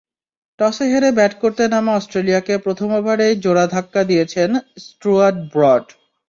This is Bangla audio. টসে হেরে ব্যাট করতে নামা অস্ট্রেলিয়াকে প্রথম ওভারেই জোড়া ধাক্কা দিয়েছেন স্টুয়ার্ট ব্রড।